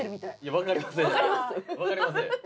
分かりません。